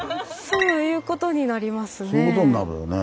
そういうことになるよね。